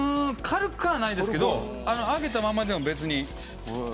軽くはないですけど上げたままでも別に。